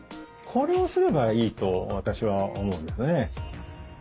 これをすればいいと私は思うんですね。